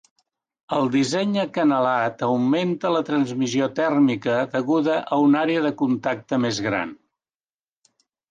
El disseny acanalat augmenta la transmissió tèrmica deguda a una àrea de contacte més gran.